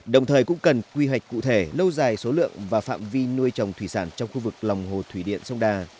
đồng thời cũng cần quy hoạch cụ thể lâu dài số lượng và phạm vi nuôi trồng thủy sản trong khu vực lòng hồ thủy điện sông đà